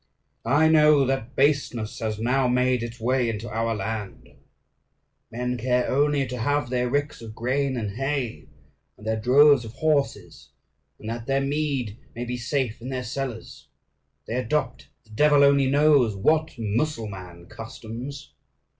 I know that baseness has now made its way into our land. Men care only to have their ricks of grain and hay, and their droves of horses, and that their mead may be safe in their cellars; they adopt, the devil only knows what Mussulman customs.